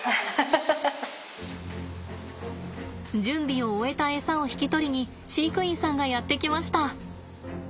準備を終えたエサを引き取りに飼育員さんがやって来ました。